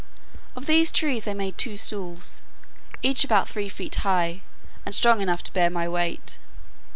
Of these trees I made two stools, each about three feet high, and strong enough to bear my weight.